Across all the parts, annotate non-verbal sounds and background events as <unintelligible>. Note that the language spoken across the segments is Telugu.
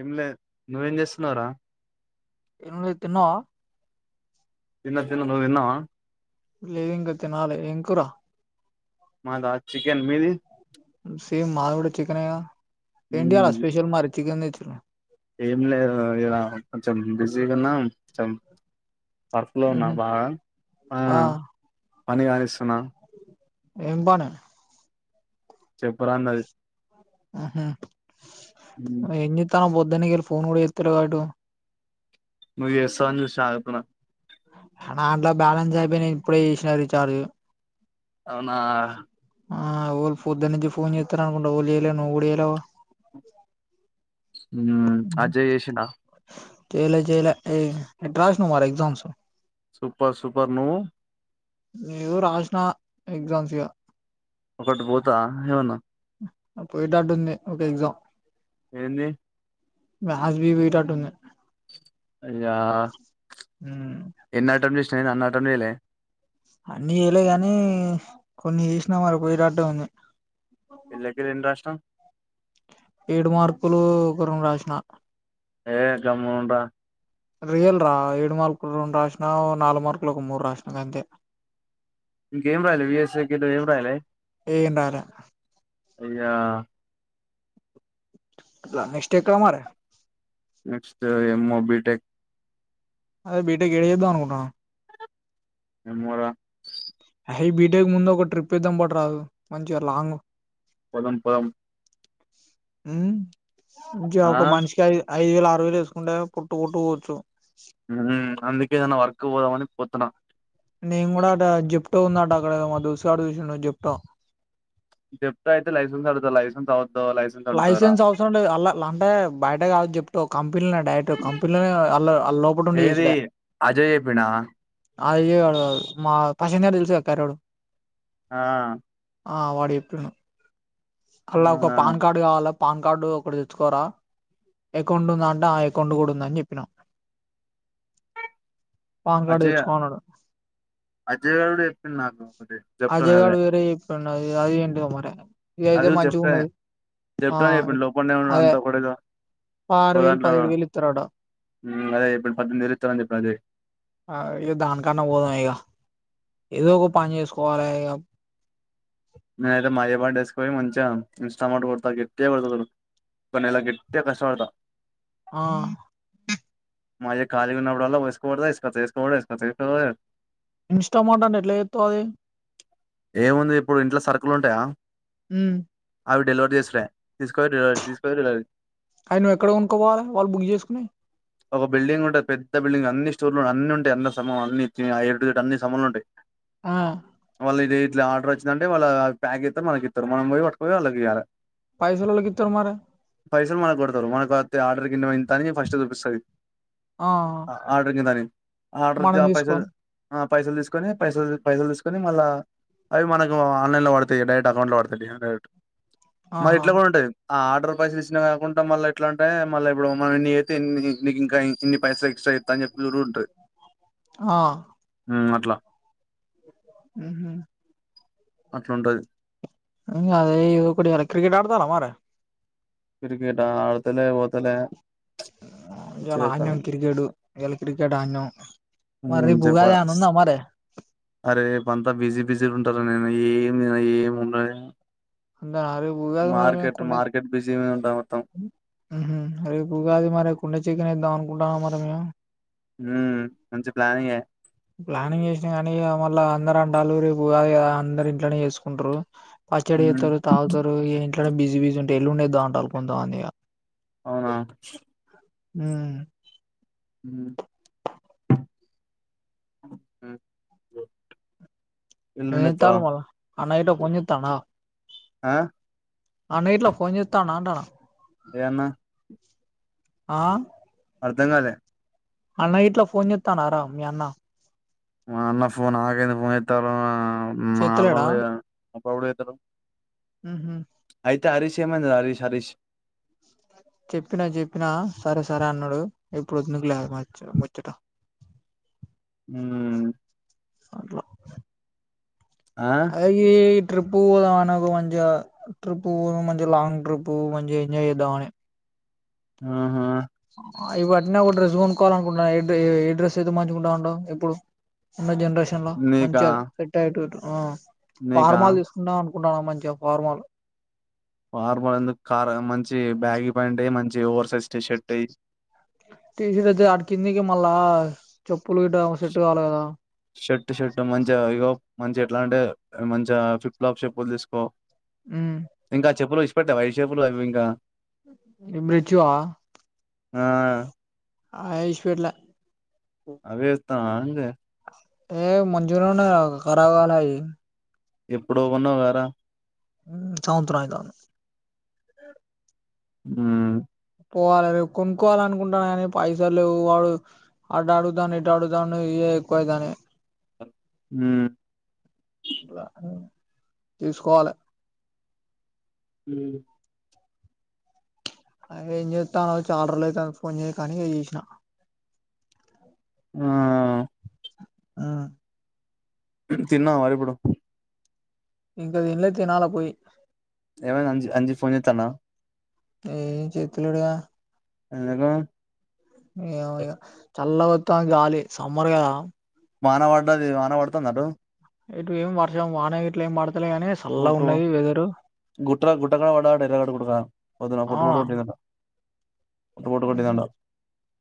ఏమిలేద్ నువ్వేం చేస్తున్నావవ్ రా ఏం లేద్ తిన్నావా తిన్న తిన్న నువ్ తిన్నవా లేదు ఇంకా తానాలి ఎంకురా మా దా చికెన్ మీది సేమ్ మాది కూడా చికనేగ ఏంటి ఇయాల మ్మ్. స్పెషల్ మరి చికెన్ తెచ్చిర్రు ఏం లేదు కొంచెం బిజీగున్నాంచం పర్ఫలో ఉన్నా ఉహు బాగా ఆ పని కానిస్తున్నా ఏం పని చెప్పురాన్నది ఆహ మ్మ్. ఏం చెత్తన్నావ్ బొద్దునే గిట్ల ఫోన్ కూడా చేతలేవ్గా ఇటు నువ్ చేస్తవ్ అని చూసినా అదే పనిగా నా దంట్లో బ్యాలెన్స్ అయిపోయి నేను ఇప్పుడే చేసినా రీచార్జ్ అవునా ఆ ఓ లు పొద్దు నుంచి ఫోన్ చేస్తారు అనుకుంటా ఓలి వెయలే నువ్వు కూడా చేయలేవ్ ఉమ్ అజయ్ చేసిండా చెయ్ల చెయ్ల ఎ ఎట్ రాసినావ్ మరి ఎగ్జామ్స్ సూపర్ సూపర్ నువు ఏదో రాసిన ఎగ్జామ్స్గా ఒకటి పోతా ఏమనా పోయేటట్టుంది ఒక ఎక్జామ్ ఎంది మాథ్స్ బి పోయేటట్టుంది అయ్యా ఉమ్ ఎన్ని అటెంప్ట్ చేసినవ్ అన్ని అటెంప్ట్ చెయ్లె అన్ని చేయలే కాని కొన్ని చేసినా మరి పోయేటట్టె ఉంది ఎళ్లకి రెండు రాష్ట్రం ఏడు మార్పులు ఒక రెండు రాసిన ఏ గమ్మంట రియల్ రా ఏడు మార్కులు రెండు రాసినా నాలుగు మార్కులు ఒక మూడు రాసినా గంతె ఇంకేం రాయలే వి యస్ ఎం రాయలే ఏం రాయలే అయ్యా ఇట్లా నెక్స్ట్ ఎక్కడ మరి నెక్స్ట్ ఏ మోబిటెక్ అదే బీటకి ఏడ చేద్దాం అనుకుంటున్నావ్ ఏమోరా హై బీటెక్ ముందు ఒక ట్రిప్ ఎద్దాం పట్ రాదు మంచిగా లాంగ్ పోదం పోదం మ్ ఆ జో మంచిగా ఐదు వేలు ఆరు వేలు వేసుకుంటే పోట్టు పోట్టుపోవచ్చు మ్ అందుకే ఏదైన వర్క్ పోదామని పోతున నేను కూడా అ జిప్టో ఉందట అక్కడ మా దోస్తుగాడు చూసిండు జిప్టో చెెప్ అయితే సన్స్ అడుా న్స్ అ లైసెన్స్ అవసరం అలా అంటే బయట అంటే కాదు చెప్పుా కంపనీలోనే డైరెక్ట్ కంపెనీలోనే వా ఏది అజయ్ చెప్పిందా అదిడు మా పసెంజర్ తెలుసు కారడు ఆ ఆ వాడు ఎప్పుడును అలా ఒక అవునా పాన్ కార్డు కావాలా పాన్ కార్డు ఒకడ తెచ్చుకోరా అకౌంట్ ఉందా అంటే ఆ అకౌంట్ కూడా ఉందని చెప్పినాం అజయ తెచ్చుకో అన్నాడు అజయ్ గారుడు చెప్పింది నాకు అదే జెప్టోన్ అజయగాడు వేర అది అది ఏంట మర అది చెప్తా చెప్తాను చెప్ప లోపల ఉన్నా అదే అంత కూడాద ఆరు ఒక వేలు దాంట్లో పదిహేడు వేలు ఇస్తారట అదే ఇప్పుడు పద్దెనిమిది నిలుస్తారని చెప్పిన అదే ఏ ధన కనా బోగా ఏదో ఒక పని చేసుకోవాల నతే మాజ ప డస్క్వ మంచి ఇన్స్టామ ఎట్టి పలా గేట్తే కస వాత ఆ మా ఆయా గా ఉన్నప్పుడు వసుకోడ ఇసుక తీసుకో ఇసుకసుకో ఇన్స్టా మార్ట్ అంటే ఎట్లా ఎతు అది ఏముంది ఇప్పుడు ఇంట్లో సర్కులు ఉంటాయా ఉమ్ అవి డెలివర్ చేసిరే తీసుకో తీసుకో అవి నువ్వు ఎక్కడ కొనుక్కోపోవాలి వాళ్ళు బుక్ చేసుకుని ఒక బిల్డింగ్ ఉంటది పెద్ద బిల్డింగ్ అన్ని చూరు అన్ని ఉంటయి అన్న సమం అన్ని ఆ ఏ అన్ని సమముంలో ఉంటాయి ఆ వాళ్ళ ఇది ఇట్లా ఆర్డర్ వచ్చింది అంటే వాళ్ళ ప్యాక్ చేసే మనకి ఇస్తరూ మం పోయి పట్కపోయి వాళ్ళ ఇవ్యి పైసలు ఎవరికి ఇస్తారు మరి పైసలు మనకు కొడతారు మనకు ఆర్డర్ కిందంతా ఫస్ట్ చూపిస్తుంది ఆ ఆర్డర్ కిందాని ఆర్డర్ మనం ఆ పైసలు తీసుకోవాలి పైసలు తీసుకొని పైసలు పైసలు తీసుకొని మళ్ళా అవి మనకు ఆన్లైన్ లో పడతాయి డైరెక్ట్ అకౌంట్ లో పడతాయి డైరెక్ట్ మరి ఆహా ఇట్లా కూడా ఉంటాది ఆర్డర్ పైసలు ఇచ్చినా కాకుండా మళ్ళీ ఎట్లా అంట మళ్ళ ఇప్పుడు మ ఇ అయితేన్ని నీకు ఇంకా ఇన్ని పైసలు ఎక్స్ట్రా గింత చెప్పుడు కూడా ఉంటది ఆ అట్లా హ్మ్ హు అట్లుండది అదే ఏదోఒకటి చేయాలి క్రికెట్ ఆడత మరి క్రీకెట్ ఆ ఆడతలే పోతలే ఇలా ఆడినం పిచ్చిలెత్తాంది. క్రికెట్ ఇలా క్రికెట్ అడీనం చెప్ప అరే రేపంత బిజీ బిజీలు ఉంటారా నేను ఏమి ఏమి ఉన్నా అందా అర ఉగాదు మరమ కొండ మార్కెట్ బిజీ ఉంటా మొత్తం <unintelligible> రేపుగాది మరి కుండ చికెన్ వద్దాం అనుకుంటాన్నా మరి మేము హ్మ్ మంచి ప్లానింగే ప్లానింగ్ చేసినా కానీ మళ్ళా అందర అ రేపు అందరు ఇంట్లోనే చేసుకుంటారు పచ్చడి హ్మ్ చేస్తారు తాగుతారు ఇక్కడ బిజి బిజ ఉంటే ఎల్లుండి ఎధాం కొంత మంది ఇగ అవునా హూ హ <unintelligible> ఏం చేతాల్లు మల్ల అన్న గిట్ల ఫోన్ చేస్తుండ ఆ అన్న గిట్ల ఫోన్ చేతాడానంటాన ఏ అన్న ఆ అర్ధం కాలే అన్న గిట్ల ఫోన్ చేస్తాండారా మీ అన్నా మా అన్న ఫోన్ నాకెందుకు ఫోన్ ఎస్తారు చేత్తలేడా నార్మల్గా అప్పుడప్పుడు చేస్తాడు హూ హు ఏమైందిరా హారిస్ హారిష్ చెప్పినా చెప్పినా సరే సరే అన్నాడు ఇప్పుడు వద్కులే ఆ ముచ్చట హూ సర్లే ఆ <inaudible> ట్రిప్పు పోదాం అ నాకు మంచిగా ట్రిప్పు పో మంచిగా లాంగ్ ట్రిప్పు మంచిగా ఎంజాయ్ చేద్దామని ఆహా ఇగ అట్నే ఒక డ్రస్ కొనుక్కోవాలి అనుకుంటున్నాను ఎడ్రెస్ అయితే మంచిగా ఉంటది అంటావ్ ఇప్పుడు ఉన్న జనరేషన్ లో నీకా మంచిగా సెట్ అయ్యేటట్టు నీకా ఫార్మల్ తీసుకుంటా అనుకు టన్న మంచిగా ఫార్మల్ ఫార్మల్ ఎందుకు ఓవర్సైజ్ టీ షర్ట్ అయ్యి టీషట్ అడ్డు అడకిందింది కీ మల్ళ పులిటా సెట్ కావలకదా మంచి ఎట్లా అంటే మంచిగా విప్లబ్ చెప్పులు తీసుకో ఉమ్ ఇంకా చెప్పులును ఇప్పట్ట విషేపులు అవి ఇంకా ఇ మ్రిచూ ఆ ఆ ఆ ఇషిపెట్టలే అవే ఎతనవ ఇగ ఏ మంచిగానే ఉన్నది గా కరవు కాలే అది ఎప్పుడో కొన్నావు గారా సంవత్సరం అయితంది హూ పోవాలి కొనుక్కోవాల అనుకుంటానా కానీ పైసలేవు వాడు అటు అడుగుతండు ఇటు అడుతాండు ఎక్కువైతనయి హ్మ్!. ఇట్లా తీసుకోవాలే హ అదే ఏం చేతన్నావ్ చానా రోజులుబాయితంది ఫోన్ చేయక అనీ చేసిన ఆ ఆ తిన్నావారా ఇప్పుడు ఇంకా తిన్లే తినాల పోయి ఏమైంది అంజి అంజి ఫోన్ చేతండ ఏ చేతలేడూగా ఎందుకు ఏమో ఇగ చల్లగా వస్తాంది గాలి సమ్మర్ కదా వాన పడ్డది వాన పడుతుందా అటు ఇటు ఏం వర్షం వాన ఇట్లా ఏం పడతలే గాని సల్ల ఉన్నయి వెదరు గుట్ట్ర గుట్టగాడ పడ్డాడా ఎరగుట్ట కాడ పొద్దునపూట ఒంటి గంట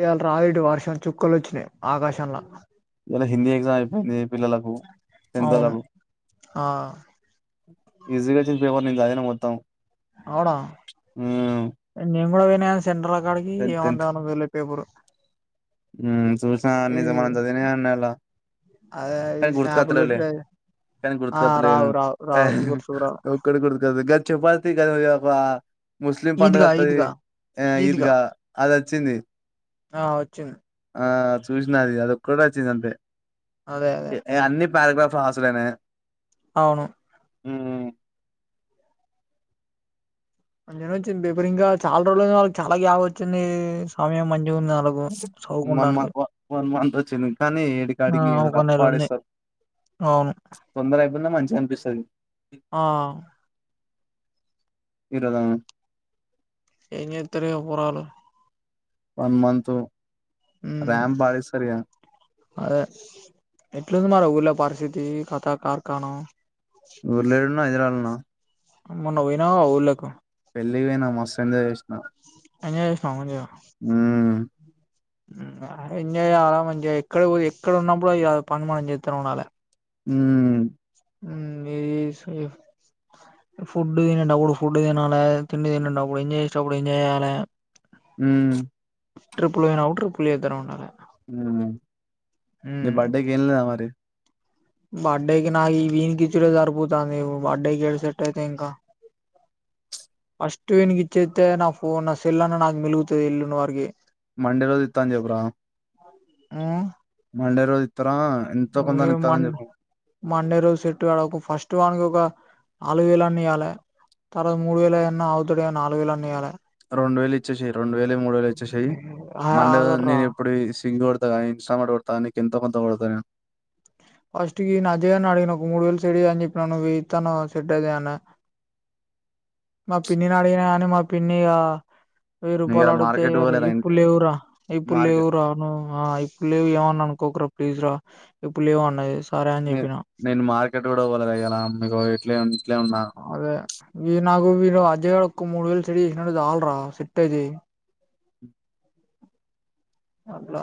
ఈయాలరాయడు వర్షం చుక్కలు వచ్చినాయి ఆకాశంలో. ఇవ్వాల హిందీ ఎగ్జామ్ అయిపోయింది పిల్లలకు అవును టెన్తోళ్లకు. ఆ ఈజీగా వచ్చింది పేపర్ నేను చదివినా మొత్తం. అవునా? మ్మ్ నేను కూడా పోయిన సెంట్రల్ కాడికి ఏమందానా వెళ్లే పేపరు. చూసినా ఈ నిజమాని చదివినా ఇవ్వాల అదే ఈ స్నాపులు పెట్టడం అయింది. కానీ గుర్తుకొత్తలేవేమ్ యః హి గుర్తుకు రావు ఒక్కటి గుర్తుకువత్తా గది చెప్పా <unintelligible> ఒక ముస్లిం పండుగ ఈద్గా వస్తాది. ఈద్గా ఈద్గా అది వచ్చింది. ఆ వచ్చింది. ఆ చూసిన అది అదొక్కటే వచ్చింది అంతే. అదే అదే ఎ అన్ని పారాగ్రాఫ్ హాస్లేనే అవును. ఎలా వచ్చింది పేపర్ ఇంకా చాలా రోజులు గా వాళ్ళకి చాలా గ్యాప్ వచ్చింది సమయం మంచి జూన్ నాలుగు వన్ మ చదువుకుండానికి. వన్ మంత్ వచ్చింది కానీ ఏడికి ఆటికి రఫ్ నెల ఉంది ఆడిస్తారు. అవును తొందర అయిపోయినా మంచిగా అనిపిస్తాది. ఆ ఇరదాను. ఏం జెత్తారో ఏమో పొరగాళ్ళు. వన్ మంత్ ఉమ్ ర్యాంప్ ఆడిస్తారు గా అదే ఎట్లుంది మరి ఊర్ల పరిస్థితి కథ కార్ఖానం. ఊర్లోయేడున్నావు హైద్రాబాద్ లో ఉన్నావా? మొన్న పోయినావు ఊళ్ళకు. పెళ్ళికి పోయినామ్ మస్త్ ఎంజాయ్ చేసినామ్ ఎంజాయ్ చేసినావా మంచిగ? మ్మ్ ఎంజాయ ఆగంఎంజాయ ఎక్కడ పో ఎక్కడ ఉన్నా కూడా పని మనం చెత్తూఉండాల. హ్మ్! మది <unintelligible> ఫుడ్ తినేప్పుడు ఫుడ్ తినాలి, తిండి తినేటప్పుడు ఎంజాయ్ చేసేటప్పుడు ఎంజాయ్ చేయాల. మ్! ట్రిపుల్ యే <unintelligible> ట్రిపుల్ ఇద్దరూ ఉండాల నీ బర్త్డే కి ఏమి తేవాలి. బర్త్డేకి నాకు ఈ వీన్ కిచూడే సరిపోతాంది. నువు బర్త్డే క ఏడ సెట్ అయితాయి ఇంక. ఫస్ట్ వీనికి ఇచ్చేత్తే నా ఫోన్ నా సెల్లన్నా మిలుగుతాది ఈలున్నవరికి. మండే రోజు ఇత్తా అని చెప్పురా. హ్మ్! మండే రోజు ఇస్తారా? ఎంతో కొంతని ఇస్తారా మన్ అని చెప్పు. మండే రోజు సెట్టు గాడు. ఒక ఫస్ట్ వానికి ఒక నాలుగు వేలన్న ఇయ్వాల. తర్వాత మూడు వేలన్న ఆగుతాడేమో నాలుగు వేలన్నా ఈయాల. రెండు వేలు ఇచ్చేసేయ్. రెండు వేలో మూడు వేలో ఇచ్చేసాయి. మండే ఆగర్రా నేను ఇప్పుడు సింగూర్ ఆ ఇంస్టాల్మెంట్ కొడతావా, నేను ఎంతో కొంత కొడతాను. ఫస్ట్ కి అజయ ను అడిగా ఒక మూడు వేలు సెట్ చేయ్ అని చెప్ప న నువ్వే ఇత్తా అన్నావు సెట్ చేయ్ అన్నా. మా పిన్నిని అడిగిన కాని మా పిన్ని గా వెయ్యి నువ్వు రూపాయలు ఇయాల అడిగితే మార్కెట్ ఈయరు. పోలేదా ఇప్పుడు ఇంతే లేవురా ఇప్పుడు మార్కెట్ లేవురా నువు ఆ ఇప్పుడు లేవు ఏమన్నా అనుకోకూరా. ప్లీజ రా ఇప్పుడు లేవు అన్నా స్ నేను మార్కెట్ కూడా పోలేదు ఈయ్యాల మీకు ఎట్లయ్యను. అదే ఈ న నాకు మీరు అజయకు మూడు వేలు సెట్ చేసినట్టు చాలు రా, సెట్ అయితయ్ అట్ల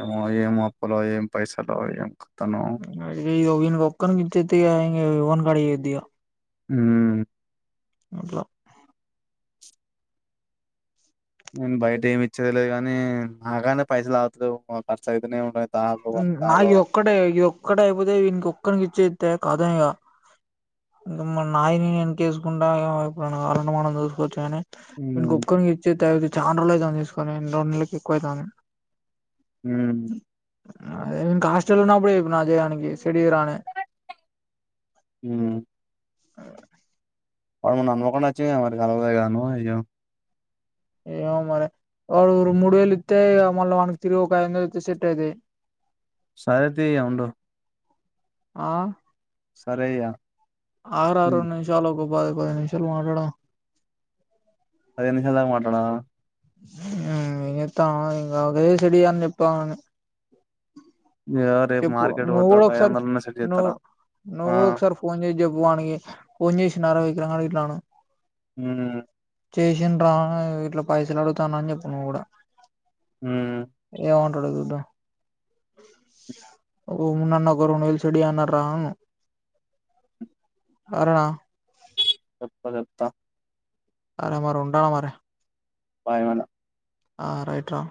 ఏమో ఏం అప్పులో ఏం పైసలో ఏం కతను ఇగో వీనిక్కోక్కనికి ఇచ్చేతే ఇగ, ఎవ్వనికి అడగద్దిగ ఉమ్ అట్ల నేను బయట ఏమి ఇచ్చేది లేదు గని, నాకాన్నే పైసలు ఆగుతలేవు ఖర్చు అయితనే ఉండయ్. నాకు ఇదొక్కటే ఇదొక్కటి అయిపోతే వీనికి ఒక్కనికి ఇచ్చేత్తే కతం ఇగ. మన్ నాయి నేను ఎనకేసుకుంటా <unintelligible> మనం చూసుకోవచ్చని వీనికి ఉమ్ ఒక్కనికి ఇచ్చేత్తే అయితది చాన రోజులు అయితాంది తీసుకని, రెండు నెలకి ఎక్కువవుతాంది. ఉమ్ అదే ఇంకా హాస్టల్ల ఉన్నప్పుడే చెప్పిన అజయ్ గానికి సెట్ చేయిర అని. ఉమ్ అదే ఆమున్న మోకాన అచ్చిన కలవలేదా నువ్వు అయ్యో ఏమో మరి వాడు మూడు వేలు ఇత్తే ఇగ మళ్ళ వానకి తిరిగి ఒక ఐదు వందలిస్తే సెట్ ఐతయ్. సరేతీ ఇగ ఉండు. ఆ సరే ఇయ ఆరు ఆరు నిమిషాలు, ఒక పది పది నిమిషాలు మాట్లాడదాం. పదిహేను నిమిషాల దాకా మాట్లాడదమ ఏం చేద్దాం ఇగ అదే సెట్ చేయ్ అని చెప్పుదామని. ఇగో రేపు చెప్పు మార్కెట్ పోతా నువ్వు ఒక ఐదు ఒకసారి, వందలన్నా సెట్ నువ్ చేస్తారా నువ్వు ఆ కూడా ఒకసారి ఫోన్ చేసి చెప్పువానికి, ఫోన్ చేసినార విక్రంగా ఇట్లాను. ఉమ్ చేసిన రా ఇట్ల పైసలు అడుగుతాండు అని చెప్పు నువ్వు కూడా ఉమ్ ఏమంటడో చూద్దాం. ఉన్నాన్న ఒక రెండు వేలు సెట్ చెయ్ అన్నడురా అను. అరుణ చెప్ప తెత్త సరే మరి ఉంటాన్న మరి. బాయ్ మల్ల ఆ రైట్ రా